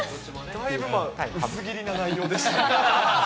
だいぶ薄切りな内容でしたね。